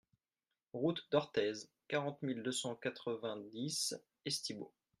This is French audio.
Route d'Orthez, quarante mille deux cent quatre-vingt-dix Estibeaux